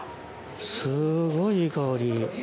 すごいいい香り。